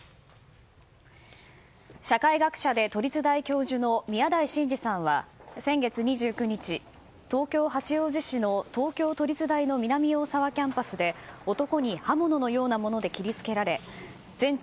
社会学者で都立大教授の宮台真司さんは先月２９日東京・八王子の東京都立大の南大沢キャンパスで男に刃物のようなもので切り付けられ全治